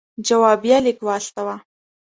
جوابیه لیک واستاوه.